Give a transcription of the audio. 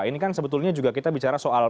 ini kan sebetulnya juga kita bicara soal